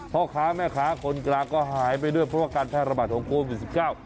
พ่อค้าแม่ค้าคนกลางก็หายไปด้วยเพราะว่าการแพร่ระบาดของโควิดสิบเก้า